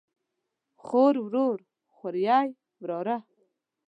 خور، ورور، خوریئ ،وراره